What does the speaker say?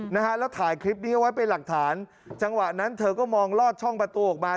นะฮะแล้วถ่ายคลิปนี้เอาไว้เป็นหลักฐานจังหวะนั้นเธอก็มองลอดช่องประตูออกมา